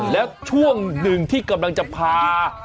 แล้วช่วงหนึ่งที่กำลังจะพา